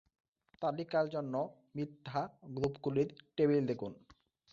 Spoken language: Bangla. তালিকার জন্য মিথ্যা গ্রুপগুলির টেবিল দেখুন